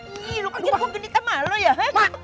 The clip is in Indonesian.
akhirnya gue ketemu sama lo ya